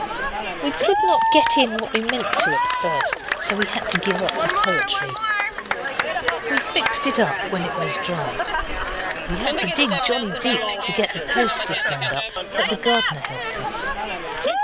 We could not get in what we meant to at first, so we had to give up the poetry. We fixed it up when it was dry. We had to dig jolly deep to get the posts to stand up, but the gardener helped us.